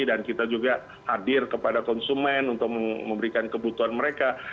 dan kita juga hadir kepada konsumen untuk memberikan kebutuhan mereka